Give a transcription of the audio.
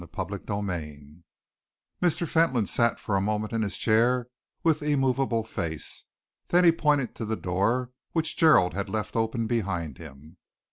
CHAPTER XXII Mr. Fentolin sat for a moment in his chair with immovable face. Then he pointed to the door, which Gerald had left open behind him.